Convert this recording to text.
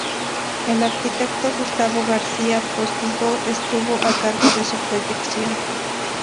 El arquitecto Gustavo García Postigo estuvo a cargo de su proyección.